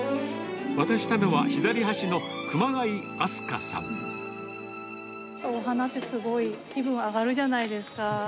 渡したのは、左端の熊谷明日お花ってすごい気分上がるじゃないですか。